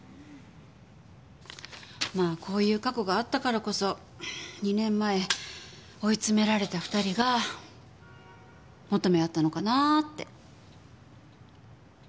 まあこういう過去があったからこそ２年前追い詰められた２人が求め合ったのかなって。